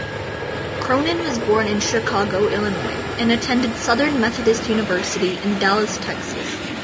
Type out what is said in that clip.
Cronin was born in Chicago, Illinois, and attended Southern Methodist University in Dallas, Texas.